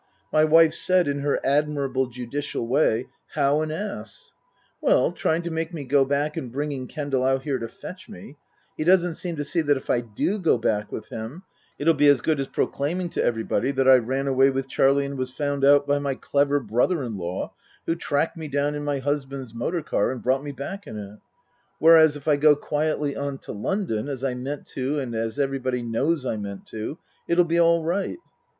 My wife said, in her admirable, judicial way, " How an ass ?"" Well trying to make me go back and bringing Kendal out here to fetch me. He doesn't seem to see that if I do go back with him it'll be as good as proclaiming to everybody that I ran away with Charlie and was found out by my clever brother in law who tracked me down in my husband's motor car and brought me back in it. Whereas, if I go quietly on to London, as I meant to and as everybody knows I meant to, it'll be all right."